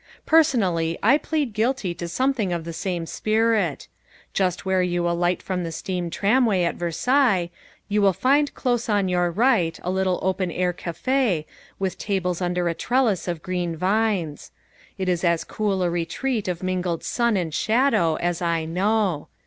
Personally I plead guilty to something of the same spirit. Just where you alight from the steam tramway at Versailles, you will find close on your right, a little open air café, with tables under a trellis of green vines. It is as cool a retreat of mingled sun and shadow as I know.